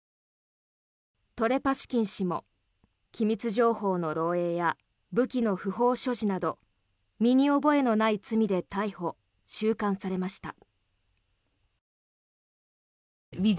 トレパシキン氏も機密情報の漏えいや武器の不法所持など身に覚えのない罪で逮捕・収監されました。